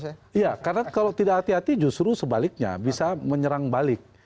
iya karena kalau tidak hati hati justru sebaliknya bisa menyerang balik